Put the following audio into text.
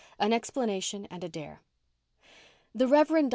AN EXPLANATION AND A DARE The Rev. Dr.